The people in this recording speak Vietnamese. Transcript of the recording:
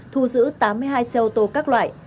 thu giữ tám mươi hai xe ô tô các loại